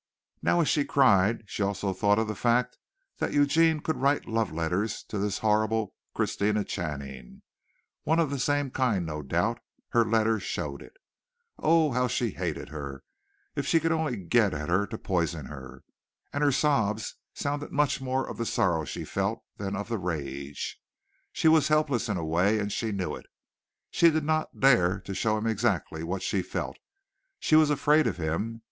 Now as she cried she also thought of the fact that Eugene could write love letters to this horrible Christina Channing one of the same kind, no doubt; her letters showed it. O oh! how she hated her! If she could only get at her to poison her. And her sobs sounded much more of the sorrow she felt than of the rage. She was helpless in a way and she knew it. She did not dare to show him exactly what she felt. She was afraid of him.